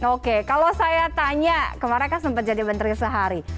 oke kalau saya tanya kemarin kan sempat jadi menteri sehari